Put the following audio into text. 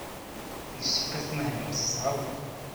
Yessefk ad tmahlemt s tɣawla.